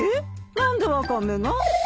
何でワカメが？